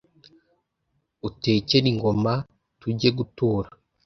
Utekere ingoma tujye gutura